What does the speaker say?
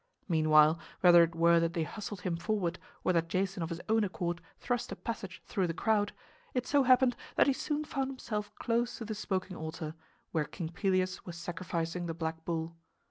Meanwhile, whether it were that they hustled him forward or that Jason of his own accord thrust a passage through the crowd, it so happened that he soon found himself close to the smoking altar, where King Pelias was sacrificing the black bull.